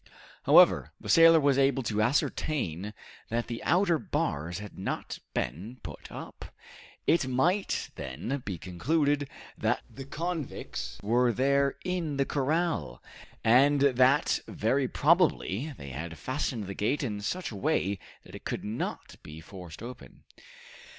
However, the sailor was able to ascertain that the outer bars had not been put up. It might, then, be concluded that the convicts were there in the corral, and that very probably they had fastened the gate in such a way that it could not be forced open.